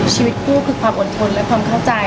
ชีวิตคู่คือความอดทนและความเข้าใจ